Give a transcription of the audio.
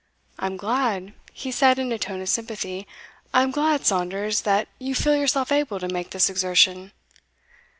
"I am glad," he said in a tone of sympathy "I am glad, Saunders, that you feel yourself able to make this exertion."